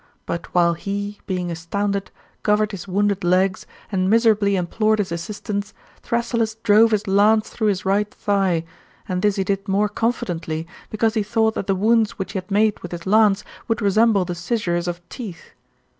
But while he, being astounded, covered his wounded legs, and miserably implored his assistance, Thrasyllus drove his lance through his right thigh ; and this he did more confidently, because he thoujg; ht that the wounds which he had made with bis lance would resemble the scissures of teeth.